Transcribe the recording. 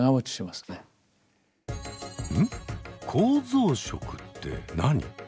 構造色って何？